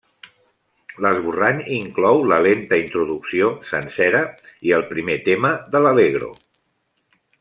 L'esborrany inclou la lenta introducció, sencera, i el primer tema de l'Allegro.